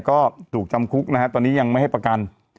ก็ถูกจำคุกนะฮะตอนนี้ยังไม่ให้ประกัน